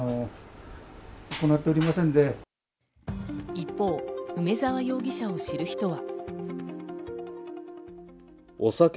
一方、梅沢容疑者を知る人は。